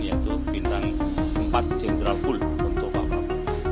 yaitu bintang empat jenderal kul untuk pak prabowo